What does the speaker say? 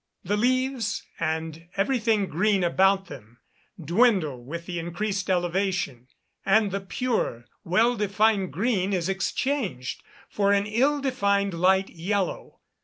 The leaves, and everything green about them, dwindle with the increased elevation; and the pure, well defined green is exchanged for an ill defined light yellow.